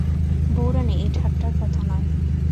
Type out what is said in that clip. বউরানী, এ ঠাট্টার কথা নয়।